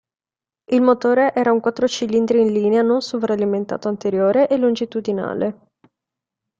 Il motore era un quattro cilindri in linea non sovralimentato anteriore e longitudinale.